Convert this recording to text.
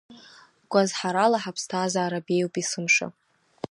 Гәазҳарала ҳаԥсҭазаара беиоуп есымша.